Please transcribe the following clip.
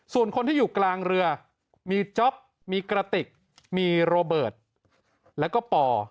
ส่วนคนที่อยู่กลางเรือมีจ๊อปมีกระติกมีโรเบิร์ตแล้วก็ป่อ